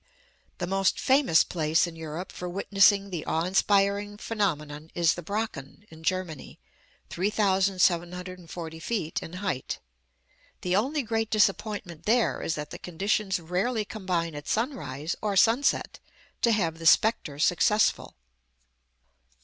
The most famous place in Europe for witnessing the awe inspiring phenomenon is the Brocken, in Germany 3740 feet in height. The only great disappointment there is that the conditions rarely combine at sunrise or sunset to have "the spectre" successful.